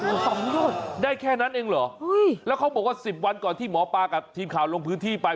โอ้โหสองยอดได้แค่นั้นเองเหรอแล้วเขาบอกว่าสิบวันก่อนที่หมอปลากับทีมข่าวลงพื้นที่ไป